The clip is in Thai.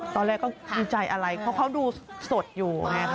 ตอนแรกก็ดีใจอะไรเพราะเขาดูสดอยู่ไงคะ